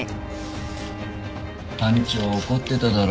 班長怒ってただろ？